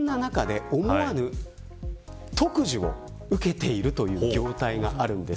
そんな中で思わぬ特需を受けているという業態があるんです。